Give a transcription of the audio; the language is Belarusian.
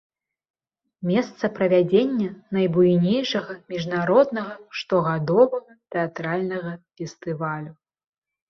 Месца правядзення найбуйнейшага міжнароднага штогадовага тэатральнага фестывалю.